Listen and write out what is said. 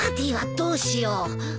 どうしよう。